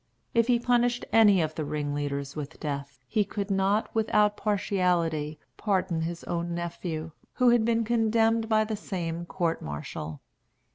If he punished any of the ringleaders with death, he could not, without partiality, pardon his own nephew, who had been condemned by the same court martial.